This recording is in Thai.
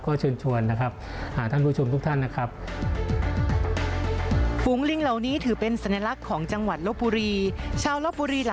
ก็เชิญชวนนะครับท่านผู้ชมทุกท่านนะครับ